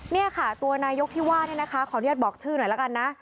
นี่ค่ะตัวนายกที่ว่านี่นะคะขออนุญาตบอกชื่อหน่อยละกันนะ